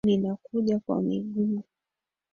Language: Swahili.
Ninakuja kwa miguu.